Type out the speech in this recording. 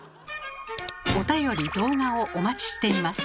おたより動画をお待ちしています。